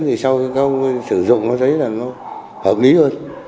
thì sau khi các ông sử dụng nó thấy là nó hợp lý hơn